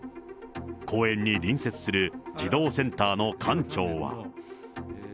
公園に隣接する児童センターの館長は。